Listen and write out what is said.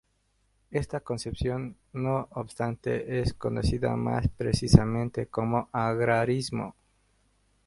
Esta concepción, no obstante, es conocida más precisamente como agrarismo.